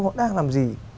họ đang làm gì